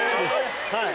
はい。